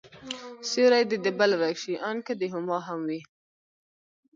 سيورى دي د بل ورک شي، آن که د هما هم وي